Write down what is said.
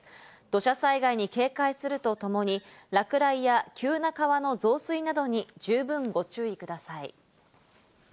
土砂災害に警戒するとともに、落雷や急な川の増水などに十分ご注意ください。